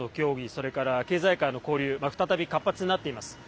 それから、経済界の交流再び活発になっています。